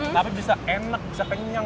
tapi bisa enak bisa kenyang